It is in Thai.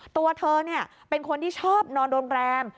ตัวเธอเป็นคนที่ชอบนอนโรงแรม